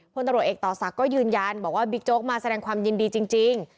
พลตำรวจเอกต่อศักดิ์ก็ยืนยันบอกว่าบิ๊กโจ๊กมาแสดงความยินดีจริง